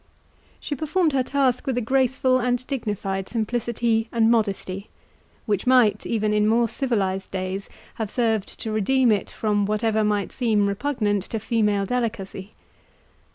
She performed her task with a graceful and dignified simplicity and modesty, which might, even in more civilized days, have served to redeem it from whatever might seem repugnant to female delicacy.